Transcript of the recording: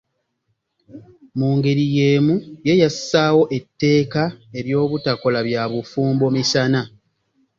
Mu ngeri y’emu ye yassaawo etteeka ery’obutakola bya bufumbo misana.